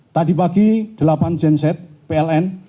tadi pagi delapan genset pln